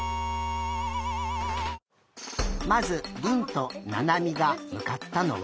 まずりんとななみがむかったのは。